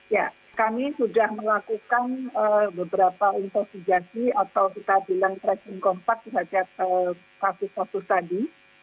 ya kami sudah melakukan beberapa intosigasi atau kita bilang tracing kompak di hadap kasus kasus tadi